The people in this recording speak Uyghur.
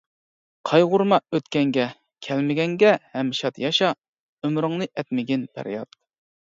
قايغۇرما ئۆتكەنگە، كەلمىگەنگە ھەم شاد ياشا، ئۆمرۈڭنى ئەتمىگىن پەرياد.